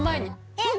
えっ？